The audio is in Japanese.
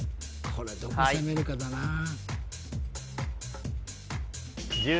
これどこ攻めるかだなはい